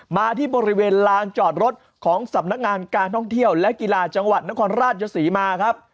มาที่บริเวณลานจอดรถของสำนักงานการท่องเที่ยวและกีฬาจังหวัดนครราชศรีมาครับ